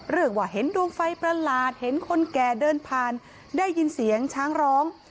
เรื่องว่าเห็นดวงไฟประหลาดเห็นคนแก่เดินผ่านได้ยินเสียงช้างร้อง